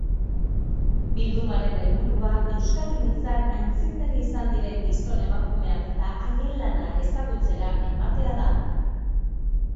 Bildumaren helburua euskalgintzan aitzindari izan diren gizon-emakumeak eta haien lana ezagutzera ematea da.